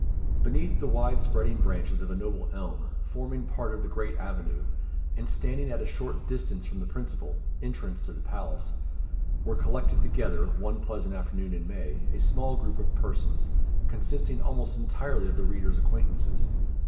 Beneath the wide spreading branches of a noble elm, forming part of the great avenue, and standing at a short distance from the principal, entrance to the palace, were collected together, one pleasant afternoon in May, a small group of persons, consisting almost entirely of the reader's acquaintances.